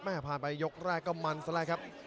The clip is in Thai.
แม่ผ่านไปยกแรกก็มันซะแหละครับ